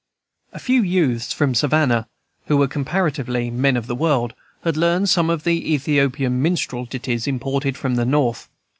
A few youths from Savannah, who were comparatively men of the world, had learned some of the "Ethiopian Minstrel" ditties, imported from the North.